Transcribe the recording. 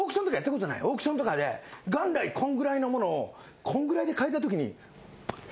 オークションとかで元来こんぐらいのものをこんぐらいで買えたときにパッ！